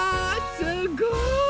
すごい！